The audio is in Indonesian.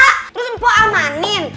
terus mpok amanin